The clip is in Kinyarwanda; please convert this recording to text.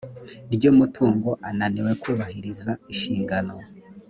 ry umutungo ananiwe kubahiriza inshingano